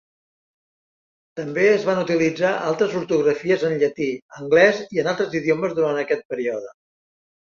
També es van utilitzar altres ortografies en llatí, anglès i en altres idiomes durant aquest període.